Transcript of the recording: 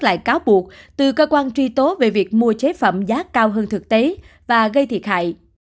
lại cáo buộc từ cơ quan truy tố về việc mua chế phẩm giá cao hơn thực tế và gây thiệt hại